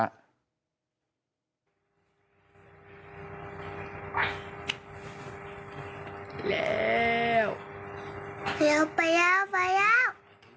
ไปแล้วไปแล้วไปแล้ว